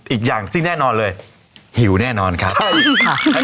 อีกอย่างที่แน่นอนเลยหิวแน่นอนครับใช่จริงค่ะ